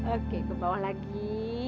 oke kebawah lagi